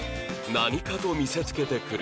「“何かと見せつけてくる”」